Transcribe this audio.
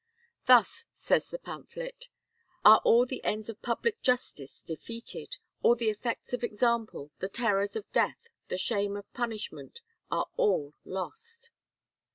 "Thus," says the pamphlet, "are all the ends of public justice defeated; all the effects of example, the terrors of death, the shame of punishment, are all lost."